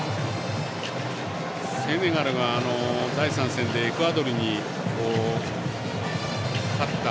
セネガルが第３戦でエクアドルに勝った。